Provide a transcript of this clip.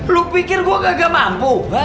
lu pikir gue gak mampu